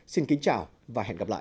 xin kính chào và hẹn gặp lại